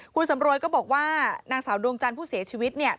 คุณสำรวยก็บอกว่านางสาวดวงจันทร์ผู้เสียชีวิตเนี่ย